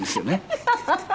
ハハハハ。